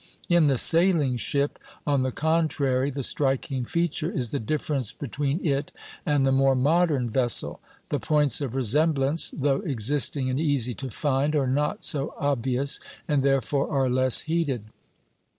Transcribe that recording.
In the sailing ship, on the contrary, the striking feature is the difference between it and the more modern vessel; the points of resemblance, though existing and easy to find, are not so obvious, and therefore are less heeded.